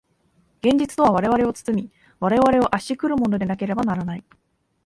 現実とは我々を包み、我々を圧し来るものでなければならない。